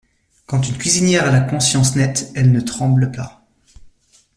Quand une cuisinière a la conscience nette, elle ne tremble pas !…